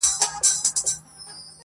د خيالورو په پلو کي يې ډبرې راوړې,